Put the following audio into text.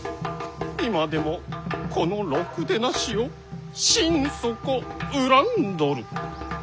今でもこのろくでなしを心底恨んどる。